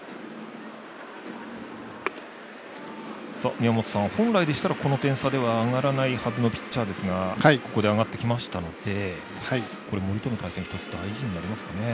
宮本さん、本来でしたらこの点差では上がらないはずのピッチャーですがここで上がってきましたので森との対戦一つ、大事になりますかね。